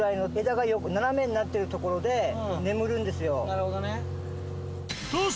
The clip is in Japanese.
なるほどね。